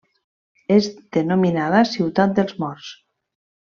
És denominada ciutat dels morts.